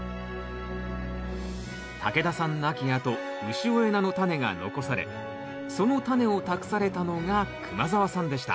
竹田さん亡きあと潮江菜のタネが残されそのタネを託されたのが熊澤さんでした。